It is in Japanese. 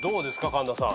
神田さん。